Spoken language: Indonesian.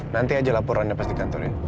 nanti aja laporannya pas di kantor ya